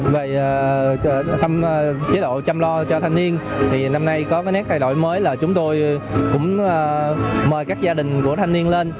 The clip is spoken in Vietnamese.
với chế độ chăm lo cho thanh niên năm nay có nét thay đổi mới là chúng tôi cũng mời các gia đình của thanh niên lên